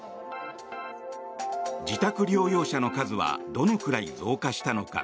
自宅療養者の数はどのくらい増加したのか。